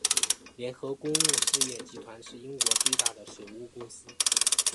联合公用事业集团是英国最大的水务公司。